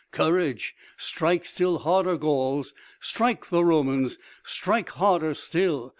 Courage! Strike still harder, Gauls! Strike the Romans! Strike harder still!